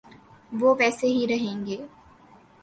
‘وہ ویسے ہی رہیں گے۔